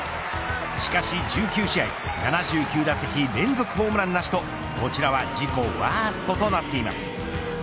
しかし１９試合７９打席連続ホームランなしとこちらは自己ワーストとなっています。